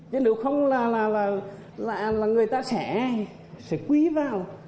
chứ nếu không là người ta sẽ quý vào